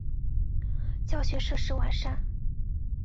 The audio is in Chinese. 教学设施完善。